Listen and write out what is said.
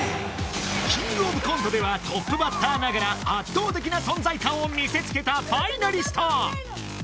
キングオブコントではトップバッターながら圧倒的な存在感を見せつけたファイナリスト